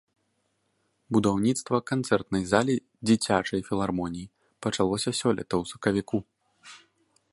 Будаўніцтва канцэртнай залі дзіцячай філармоніі пачалося сёлета ў сакавіку.